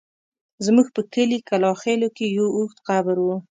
زموږ په کلي کلاخېلو کې يو اوږد قبر و.